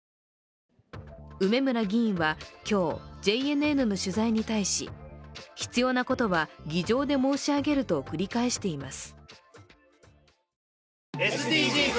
梅村議員は今日、ＪＮＮの取材に対し、必要なことは議場で申し上げると繰り返しています。